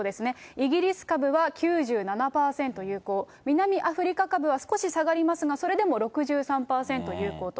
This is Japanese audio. イギリス株は９７％有効、南アフリカ株は少し下がりますが、それでも６３％有効と。